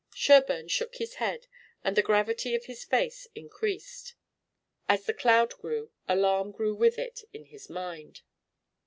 Sherburne shook his head and the gravity of his face increased. As the cloud grew alarm grew with it in his mind.